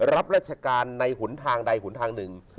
รับราชการในหนทางใดหนทางหนึ่ง